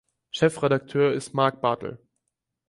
Chefredakteur ist Marc Bartl.